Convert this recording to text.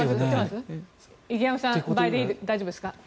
池上さん倍でいいですか？